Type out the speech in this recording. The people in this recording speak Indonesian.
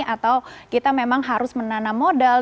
atau kita memang harus menanam modal